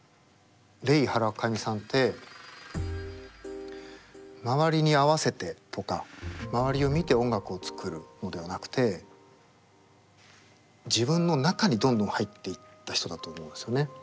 レイ・ハラカミさんって周りに合わせてとか周りを見て音楽を作るのではなくて自分の中にどんどん入っていった人だと思うんですよね。